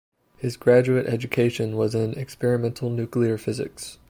His graduate education was in experimental nuclear physics.